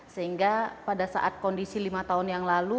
sehingga pada saat kondisi lima tahun yang lalu